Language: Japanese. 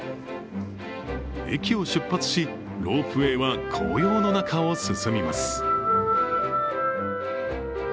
駅を出発し、ロープウェイは紅葉の中を進みます。